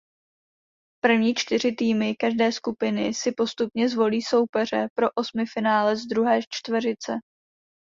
První čtyři týmy každé skupiny si postupně zvolí soupeře pro osmifinále z druhé čtveřice.